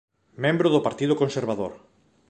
Membro do Partido Conservador.